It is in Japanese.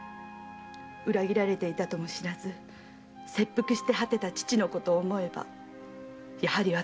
裏切られていたとも知らず切腹して果てた父のことを思えばやはり私が。